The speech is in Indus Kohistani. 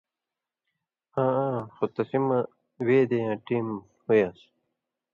آں آں خو تسی مہ وے دیں یاں ٹیم ہُویان٘س